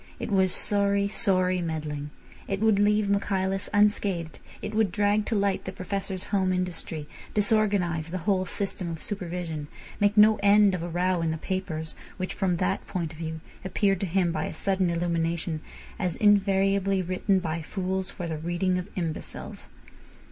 It was sorry, sorry meddling. It would leave Michaelis unscathed; it would drag to light the Professor's home industry; disorganise the whole system of supervision; make no end of a row in the papers, which, from that point of view, appeared to him by a sudden illumination as invariably written by fools for the reading of imbeciles.